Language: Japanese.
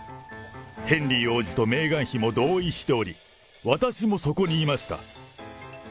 ヘンリー王子とメーガン妃も同意しており、私もそこにいました。